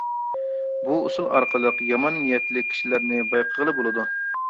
بۇ ئۇسۇل ئارقىلىق، يامان نىيەتلىك كىشىلەرنى بايقىغىلى بولىدۇ.